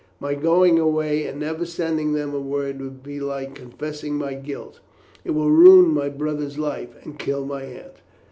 My going away and never sending them a word will be like confessing my guilt. It will ruin my brother's life, and kill my aunt."